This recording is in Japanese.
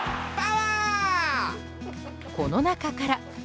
この中から。